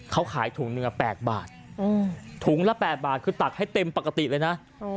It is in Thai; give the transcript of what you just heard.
เขาขายถุงหนึ่ง๘บาทถุงละ๘บาทคือตักให้เต็มปกติเลยนะ